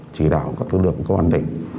chỉ đạo các lực lượng công an tình